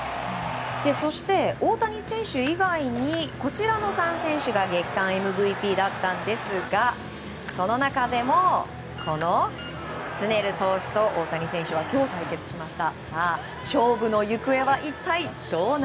そして、大谷選手以外にこちらの３選手が月間ＭＶＰだったんですがその中でもスネル投手と大谷選手は今日、対決しました。